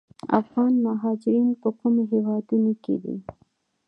افغان مهاجرین په کومو هیوادونو کې دي؟